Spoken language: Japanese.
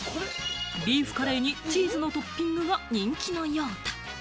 ビーフカレーにチーズのトッピングが人気のようだ。